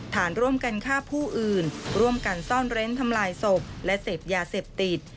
ฐานร่วมกันฆ่าผู้อื่นร่วมกันซ่อนเร้นทำลายศพและเสพยาเสพติด